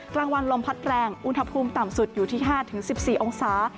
กลางวันลมพัดแรงอุณหภูมิต่ำสุดอยู่ที่๕๑๔องศา